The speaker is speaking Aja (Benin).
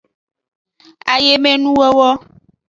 Ayemenuwowo.